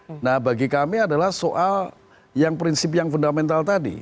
tapi yang paling penting untuk kami adalah soal yang prinsip yang fundamental tadi